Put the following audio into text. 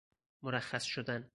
مرخص شدن